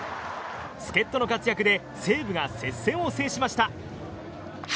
助っ人の活躍で西武が接戦を制しました。